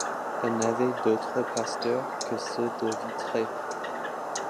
Elle n'avait d'autres pasteurs que ceux de Vitré.